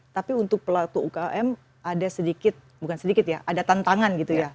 tapi untuk pelaku ukm ada sedikit bukan sedikit ya ada tantangan gitu ya